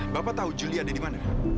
bapak tahu juli ada di mana